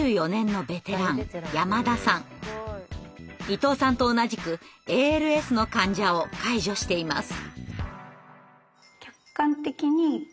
伊藤さんと同じくＡＬＳの患者を介助しています。